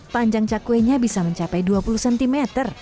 panjang cakwenya bisa mencapai dua puluh cm